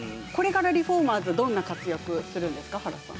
これからリフォーマーズどんな活躍をするんですか？